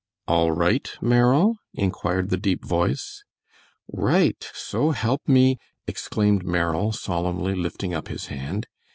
"All right, Merrill?" inquired the deep voice. "Right, so help me " exclaimed Merrill, solemnly, lifting up his hand.